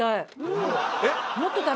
えっ？